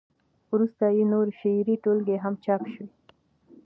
وروسته یې نورې شعري ټولګې هم چاپ شوې.